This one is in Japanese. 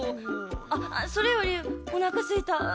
あっそれよりおなかすいた！